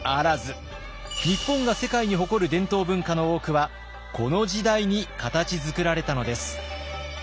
日本が世界に誇る伝統文化の多くはこの時代に形づくられたのです。